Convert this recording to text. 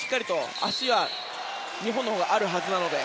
足は日本のほうがあるので。